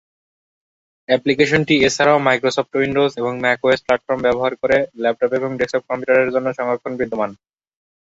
অ্যাপ্লিকেশনটি এছাড়াও Microsoft Windows এবং ম্যাক ওএস প্ল্যাটফর্ম ব্যবহার করে ল্যাপটপ এবং ডেস্কটপ কম্পিউটারের জন্য সংস্করণ বিদ্যমান।